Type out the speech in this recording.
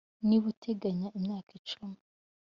niba uteganya imyaka icumi